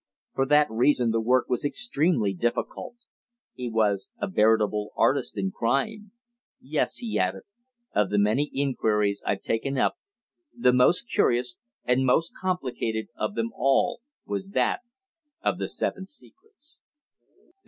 For that reason the work was extremely difficult. He was a veritable artist in crime. Yes," he added, "of the many inquiries I've taken up, the most curious and most complicated of them all was that of The Seven Secrets."